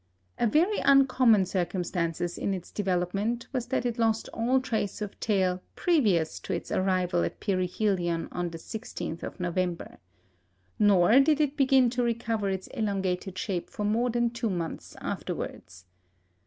A very uncommon circumstance in its development was that it lost all trace of tail previous to its arrival at perihelion on the 16th of November. Nor did it begin to recover its elongated shape for more than two months afterwards.